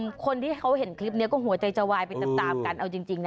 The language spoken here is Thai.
คือคนที่เขาเห็นคลิปนี้ก็หัวใจจะวายไปตามตามกันเอาจริงนะ